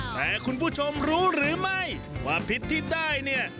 แต่คุณผู้ชมรู้หรือไม่ว่าผิดที่ได้เนี่ย